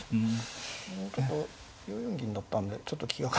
ちょっと４四銀だったんでちょっと気が。